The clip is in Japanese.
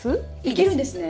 いけるんですね？